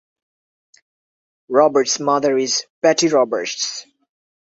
Roberts’ mother is Betty Roberts.